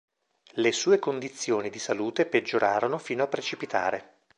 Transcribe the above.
Le sue condizioni di salute peggiorarono fino a precipitare.